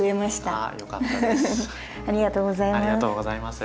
ありがとうございます。